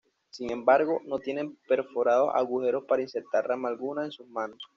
Sin embargo, no tienen perforados agujeros para insertar rama alguna en sus manos.